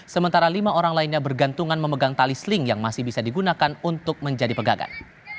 sementara lima orang lainnya bergantungan memegang tali seling yang masih bisa digunakan untuk menjadi pegangan